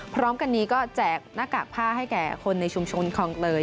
พร้อมกันนี้ก็แจกหน้ากากผ้าให้แก่คนในชุมชนคลองเตย